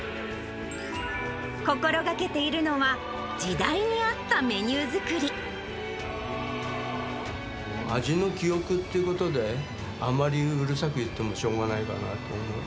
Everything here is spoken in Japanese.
心がけているのは、時代に合った味の記憶っていうことで、あんまりうるさく言ってもしょうがないかなと思う。